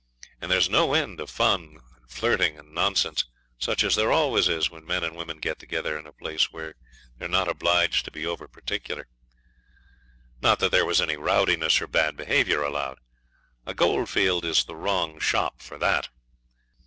And there's no end of fun and flirting and nonsense, such as there always is when men and women get together in a place where they're not obliged to be over particular. Not that there was any rowdiness or bad behaviour allowed. A goldfield is the wrong shop for that.